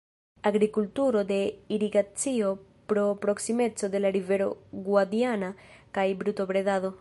Agrikulturo de irigacio pro proksimeco de la rivero Guadiana kaj brutobredado.